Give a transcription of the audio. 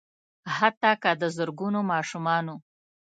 حتا که د زرګونو ماشومانو